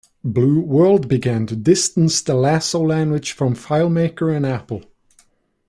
Blue World began to distance the Lasso language from FileMaker and Apple.